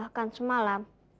bahkan semalam kang nanang